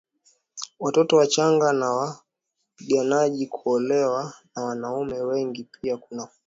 watoto wachanga na wapiganaji Kuolewa na wanaume wengi pia kunakubaliwa mwanamke huolewa si na